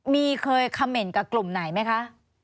มีเคยคำเมนต์กับกลุ่มไหนไหมคะ